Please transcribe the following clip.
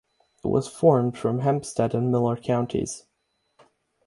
It was formed from Hempstead and Miller Counties.